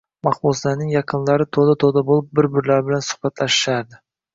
Mahbuslarning yaqinlari to`da-to`da bo`lib bir-birlari bilan suhbatlashishardi